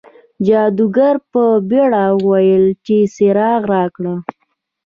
جادوګر په بیړه وویل چې څراغ راکړه.